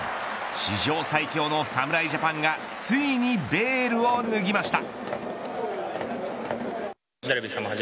史上最強の侍ジャパンがついにベールを脱ぎました。